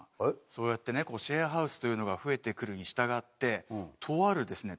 そうやってねシェアハウスというのが増えてくるに従ってとあるですね